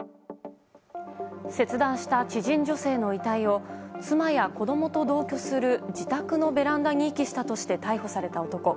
切断した知人女性の遺体を妻や子供と同居する自宅のベランダに遺棄したとして逮捕された男。